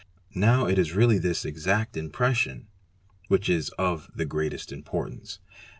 Now itis really this 'exact impression" which is of the greatest importance.